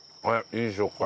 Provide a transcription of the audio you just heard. いい食感。